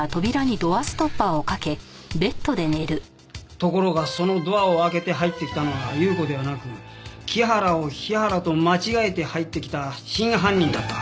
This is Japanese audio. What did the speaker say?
ところがそのドアを開けて入ってきたのは優子ではなく木原を日原と間違えて入ってきた真犯人だった。